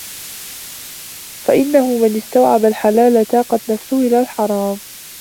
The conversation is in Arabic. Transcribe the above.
فَإِنَّهُ مَنْ اسْتَوْعَبَ الْحَلَالَ تَاقَتْ نَفْسُهُ إلَى الْحَرَامِ